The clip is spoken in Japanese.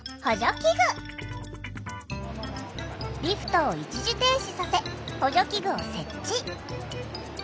リフトを一時停止させ補助器具を設置。